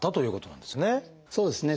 そうですね。